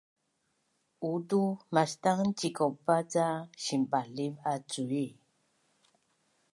uutu maszang cikaupa ca simbaliv a cui